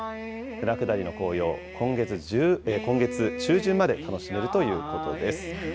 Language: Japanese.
舟下りの紅葉、今月中旬まで楽しめるということです。